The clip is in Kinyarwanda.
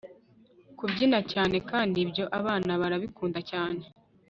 kubyina cyane. kandi ibyo abana barabikunda cyane